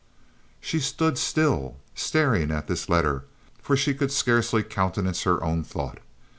She stood still, staring at this letter, for she could scarcely countenance her own thought.